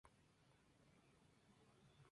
Ya su primer combate fue una victoria.